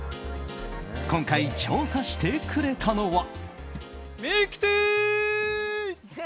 今回、調査してくれたのは。